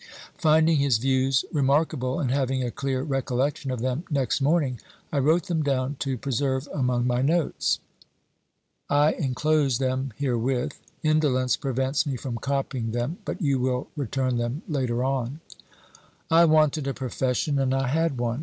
Finding his views remark able, and having a clear recollection of them next morning, I wrote them down to preserve among my notes. I en close them herewith ; indolence prevents me from copying them, but you will return them later on. " I wanted a profession and I had one.